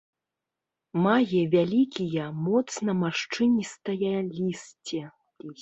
Мае вялікія моцна маршчыністае лісце.